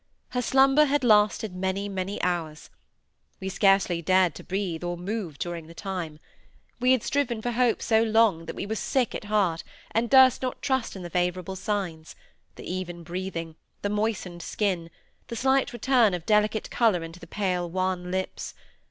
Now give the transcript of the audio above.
Her slumber had lasted many, many hours. We scarcely dared to breathe or move during the time; we had striven to hope so long, that we were sick at heart, and durst not trust in the favourable signs: the even breathing, the moistened skin, the slight return of delicate colour into the pale, wan lips.